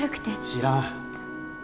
知らん。